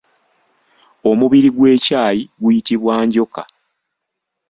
Omubiri gw’ekyayi guyitibwa Njoka.